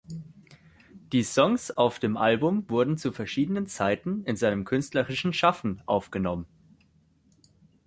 Die Songs auf dem Album wurden zu verschiedenen Zeiten in seinem künstlerischen Schaffen aufgenommen.